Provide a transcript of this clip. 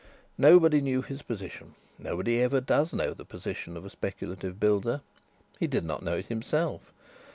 Nobody knew his position; nobody ever does know the position of a speculative builder. He did not know it himself.